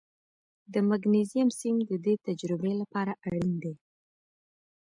د مګنیزیم سیم د دې تجربې لپاره اړین دی.